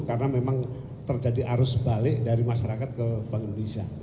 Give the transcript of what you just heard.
karena memang terjadi arus balik dari masyarakat ke bursa efek